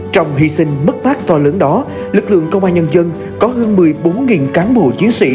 trong hy sinh mất mát to lớn đó lực lượng công an nhân dân có hơn một mươi bốn cán bộ chiến sĩ